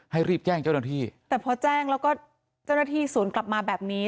รีบแจ้งเจ้าหน้าที่แต่พอแจ้งแล้วก็เจ้าหน้าที่สวนกลับมาแบบนี้